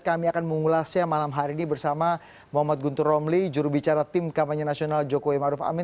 kami akan mengulasnya malam hari ini bersama muhammad guntur romli jurubicara tim kampanye nasional jokowi maruf amin